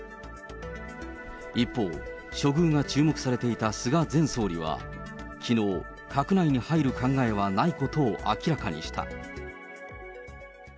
一方、処遇が注目されていた菅前総理は、きのう、閣内に入る考えはないことを明らかにした。